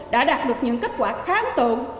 đã đạt được những kết quả khá ấn tượng